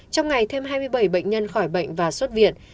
trong ngày thêm hai mươi bảy bệnh nhân khỏi bệnh và xuất viện